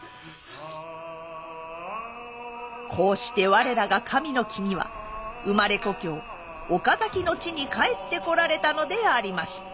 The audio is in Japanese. こうして我らが神の君は生まれ故郷岡崎の地に帰ってこられたのでありました。